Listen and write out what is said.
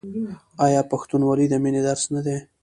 آیا پښتونولي د مینې درس نه دی؟